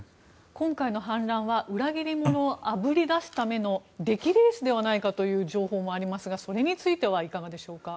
今回の反乱は裏切り者をあぶり出すための出来レースではないかという情報もありますがそれについてはいかがでしょうか？